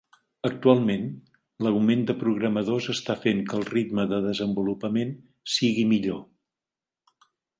Actualment, l'augment de programadors està fent que el ritme de desenvolupament sigui millor.